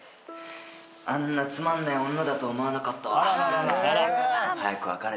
あんなつまんない女だと思わなかったわ。